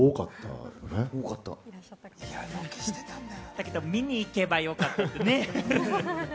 だけど見に行けばよかったよね。